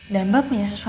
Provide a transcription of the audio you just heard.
dan mbak punya sesuatu loh